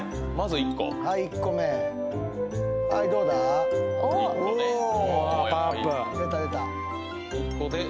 １個で。